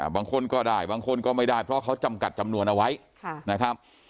บางคนก็ได้บางคนก็ไม่ได้เพราะเขาจำกัดจำนวนเอาไว้นะครับ